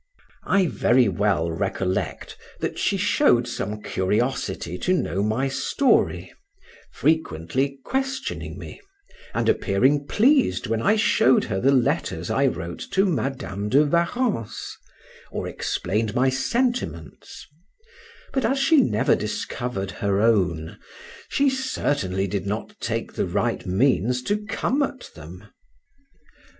I very well recollect that she showed some curiosity to know my story, frequently questioning me, and appearing pleased when I showed her the letters I wrote to Madam de Warrens, or explained my sentiments; but as she never discovered her own, she certainly did not take the right means to come at them.